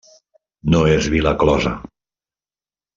No és vila closa.